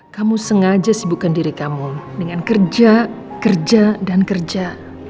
kamu sengaja sibukkan diri kamu dengan kerja kerja dan kerja